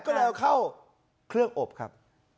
ก็เลยเอาเข้าเครื่องอบครับ